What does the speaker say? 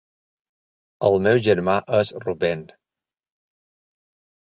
El meu germà és Rubén.